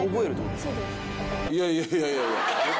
いやいやいやいや。